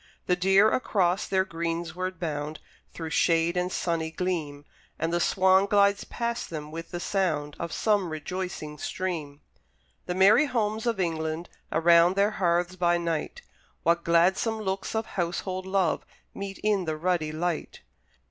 The deer across their greensward bound, Through shade and sunny gleam: And the swan glides past them with the sound Of some rejoicing stream. The merry homes of England! Around their hearths by night, What gladsome looks of household love Meet in the ruddy light!